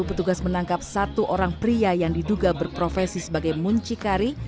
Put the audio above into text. petugas menangkap satu orang pria yang diduga berprofesi sebagai muncikari